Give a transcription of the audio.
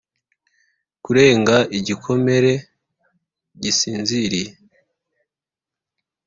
kurenga igikomere gisinziriye